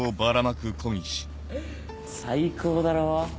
最高だろ？